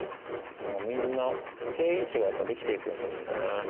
みんな定位置がやっぱできて行くんですよね。